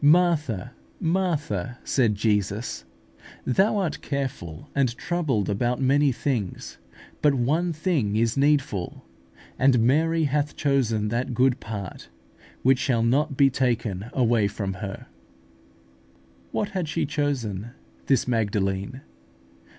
"Martha, Martha," said Jesus, "thou art careful and troubled about many things; but one thing is needful; and Mary hath chosen that good part, which shall not be taken away from her" (Luke x. 41, 42). What had she chosen, this Magdalene?